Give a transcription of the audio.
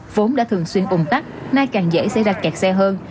vốn đã thường xuyên ủng tắt nay càng dễ sẽ đặt kẹt xe hơn